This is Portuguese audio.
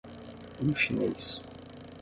Um chinês